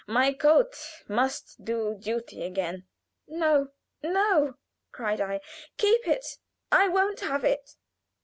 My coat must do duty again." "No, no!" cried I. "Keep it! I won't have it."